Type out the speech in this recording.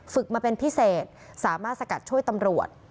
มาเป็นพิเศษสามารถสกัดช่วยตำรวจ